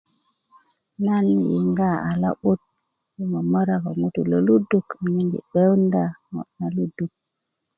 nan yiŋga a lo'but yi momora ko ŋutu' lo luduk anyen yi gbeyunda ŋo na luduk